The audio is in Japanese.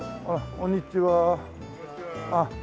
こんにちは。